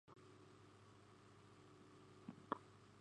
This award is not to be confused with other awards also named after Hebb.